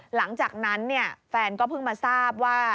หลังจากนั้นแฟนก็เพิ่งมาทราบว่า